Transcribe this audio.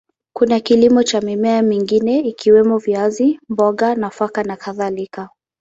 Kuna kilimo cha mimea mingine ikiwemo viazi, mboga, nafaka na kadhalika.